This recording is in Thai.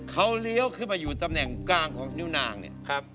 เขาเลี้ยวขึ้นมาอยู่ตำแหน่งกลางของนิ้วนางเนี่ยครับ